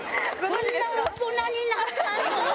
こんな大人になったの？